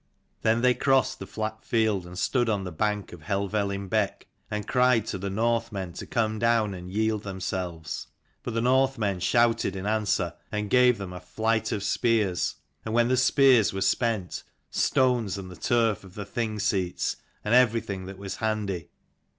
Then they crossed the flat field, and stood on the bank of Helvellyn beck, and cried to the Northmen to come down and yield themselves. But the Northmen shouted in answer, and gave them a flight of spears : and when spears were spent, stones and the turf of the Thing seats, and everything that was handy.